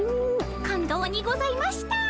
感動にございました。